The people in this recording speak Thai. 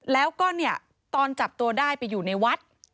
แล้วก็เนี่ยตอนจับตัวได้ไปอยู่ในวัด